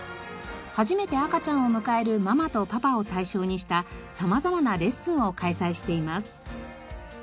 初めて赤ちゃんを迎えるママとパパを対象にしたさまざまなレッスンを開催しています。